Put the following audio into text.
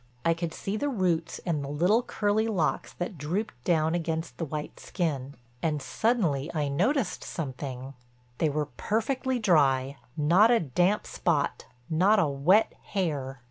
I could see the roots and the little curly locks that drooped down against the white skin. And suddenly I noticed something—they were perfectly dry, not a damp spot, not a wet hair.